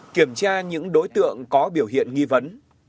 kiểm tra những đối tượng có biểu hiện nghi vấn